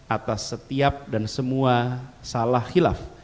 atas setiap dan semua salah hilaf